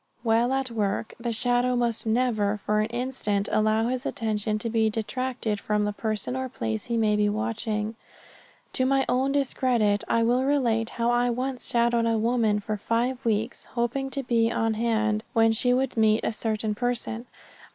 While at work the shadow must never for an instant allow his attention to be detracted from the person or place he may be watching. To my own discredit, I will relate how I once shadowed a woman for five weeks, hoping to be on hand when she would meet a certain person.